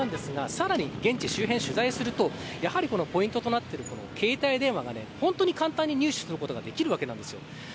それだけでも驚きですがさらに、現地周辺を取材するとポイントとなっている携帯電話が本当に簡単に入手することができるわけなんです。